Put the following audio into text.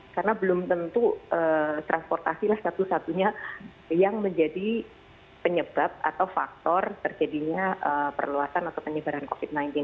karena belum tentu transportasi lah satu satunya yang menjadi penyebab atau faktor terjadinya perluasan atau penyebaran covid sembilan belas ini